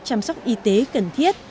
chăm sóc y tế cần thiết